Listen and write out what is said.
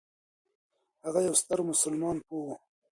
هغه یو ستر مسلمان پوه و.